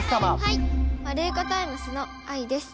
はいワルイコタイムスのあいです。